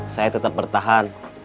saya tetap bertahan